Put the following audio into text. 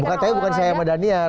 bukannya bukan saya sama daniar